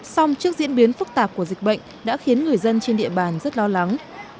song trước diễn biến phức tạp của dịch bệnh đã khiến người dân trên địa bàn rất lo lắng